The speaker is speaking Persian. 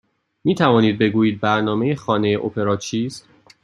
می توانید بگویید برنامه خانه اپرا چیست؟